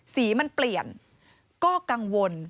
สีมันเปลี่ยนก็กังวล